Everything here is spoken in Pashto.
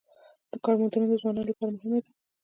د کار موندنه د ځوانانو لپاره مهمه ده